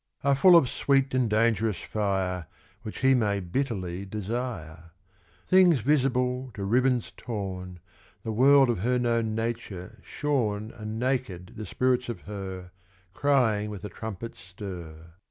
Are full of sweet and dangerous fire Which he may bitterly desire ; Things visible to ribbons torn, The world of her known nature shorn And naked the spirits of her Crying with a trumpet's stir.